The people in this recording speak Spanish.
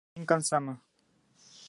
Ganador: Jin Kazama.